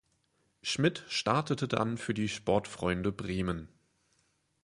Schmidt startete dann für die Sportfreunde Bremen.